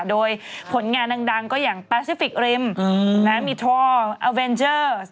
โดยผลงานดังก็อย่างแปซิฟิกริมมีท่ออาเวนเจอร์